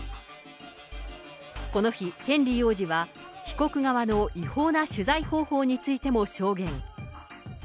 この日、ヘンリー王子は被告側の違法な取材方法についても証言。